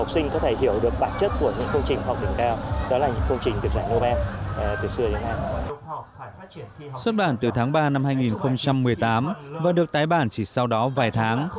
xuất bản từ tháng ba năm hai nghìn một mươi tám và được tái bản chỉ sau đó vài tháng